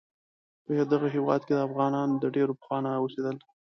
په دغه هیواد کې افغانان د ډیر پخوانه اوسیدل